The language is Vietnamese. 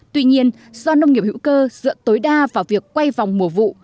tuy nhiên do nông nghiệp hữu cơ dựa tối đa vào việc quay vòng mùa vụ